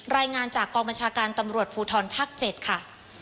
รายงานจากกองบัญชาการตำรวจภูทรภาค๗ค่ะ